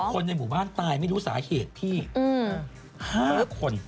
คนในหมู่บ้านตายไม่รู้สาเหตุพี่๕คน